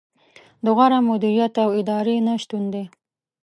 د غوره مدیریت او ادارې نه شتون دی.